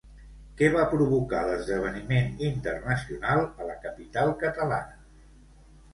Què va provocar l'esdeveniment internacional a la capital catalana?